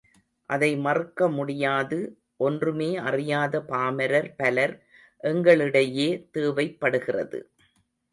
அதை மறுக்க முடியாது, ஒன்றுமே அறியாத பாமரர் பலர் எங்களிடையே தேவைப் படுகிறது.